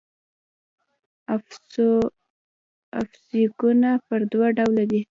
افیکسونه پر وده ډوله دي.